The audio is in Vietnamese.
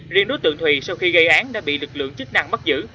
riêng đối tượng thùy sau khi gây án đã bị lực lượng chức năng bắt giữ